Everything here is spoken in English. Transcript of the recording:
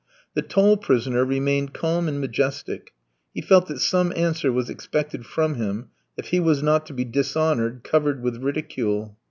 The tall prisoner remained calm and majestic. He felt that some answer was expected from him, if he was not to be dishonoured, covered with ridicule.